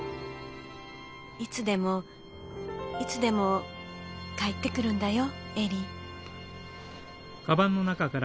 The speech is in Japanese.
いつでもいつでも帰ってくるんだよ恵里」。